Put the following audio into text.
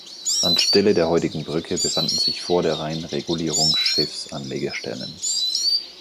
Anstelle der heutigen Brücke befanden sich vor der Rheinregulierung Schiffsanlegestellen.